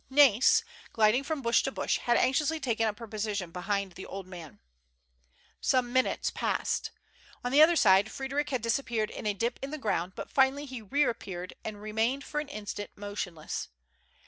Nais, gliding from bush to bash, had anxiously taken up her position behind the old man. Some minutes passed. On the other side Frederic had disappeared in a dip in the ground, but finally he reap peared, and remained for an instant motionless.